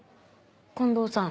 近藤さん？